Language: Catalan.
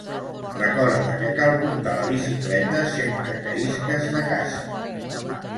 Recorda que cal portar la bicicleta sempre que isques de casa.